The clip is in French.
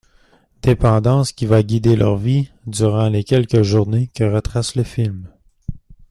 Dépendance qui va guider leur vie durant les quelques journées que retrace le film.